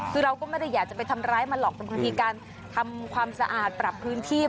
คือเราก็ไม่ได้อยากจะไปทำร้ายมันหรอกบางทีการทำความสะอาดปรับพื้นที่